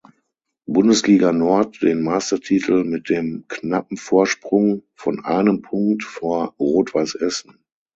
Bundesliga Nord den Meistertitel mit dem knappen Vorsprung von einem Punkt vor Rot-Weiss Essen.